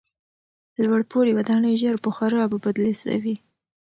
لوړپوړي ودانۍ ژر په خرابو بدلې سوې.